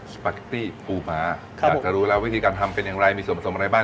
ปาเกตตี้ปูม้าอยากจะรู้แล้ววิธีการทำเป็นอย่างไรมีส่วนผสมอะไรบ้าง